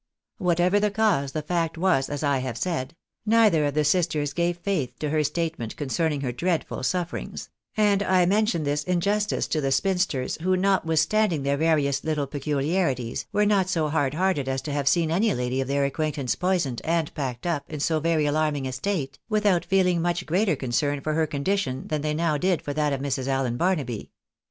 Whatever the cause, the fact was as I have said ; neither of the sisters gave faith to her statement concerning her dreadful sufferings ; and I mention this in justice to the spinsters, who, notwithstanding their various little pecuharities, were not so hard hearted as to have seen any lady of their acquaintance poisoned, and packed up, in so very alarming a state, without feehng much greater concern for her condition than they now did for that of Mrs. Allen Barnaby.